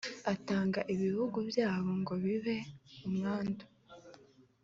Atanga ibihugu byabo ngo bibe umwandu